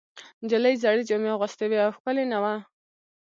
نجلۍ زړې جامې اغوستې وې او ښکلې نه وه.